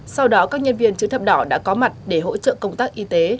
sau đó các nhân viên chữ thập đỏ đã có mặt để hỗ trợ công tác y tế